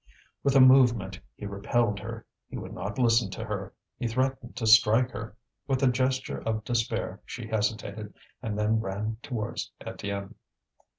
With a movement he repelled her. He would not listen to her, he threatened to strike her. With a gesture of despair she hesitated, and then ran towards Étienne.